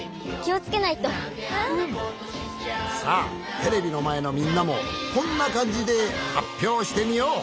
さあテレビのまえのみんなもこんなかんじではっぴょうしてみよう。